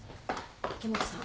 池本さん